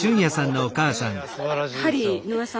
すばらしいよね